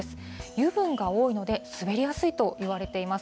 油分が多いので滑りやすいといわれています。